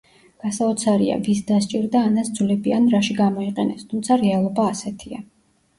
გასაოცარია ვის დასჭირდა ანას ძვლები ან რაში გამოიყენეს, თუმცა რეალობა ასეთია.